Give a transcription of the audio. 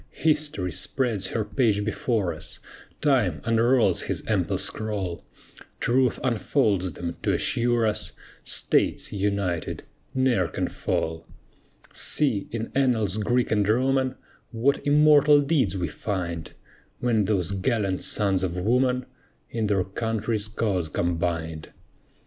History spreads her page before us, Time unrolls his ample scroll; Truth unfolds them, to assure us, States, united, ne'er can fall. See, in annals Greek and Roman, What immortal deeds we find; When those gallant sons of woman In their country's cause combined.